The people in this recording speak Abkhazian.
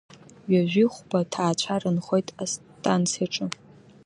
Ҩажәеи хәба ҭаацәара нхоит астанциаҿы.